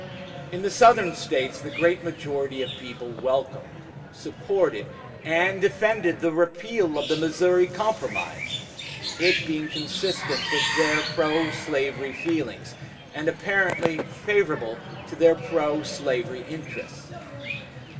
In the Southern States the great majority of people welcomed, supported, and defended the repeal of the Missouri Compromise, it being consonant with their pro slavery feelings, and apparently favorable to their pro slavery interests.